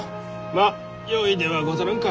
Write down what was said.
まあよいではござらんか。